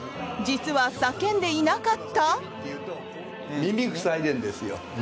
実は叫んでいなかった？